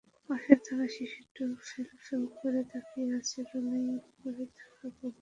পাশে থাকা শিশুটি ফ্যালফ্যাল করে তাকিয়ে আছে রেলিংয়ের ওপারে থাকা কবরের দিকে।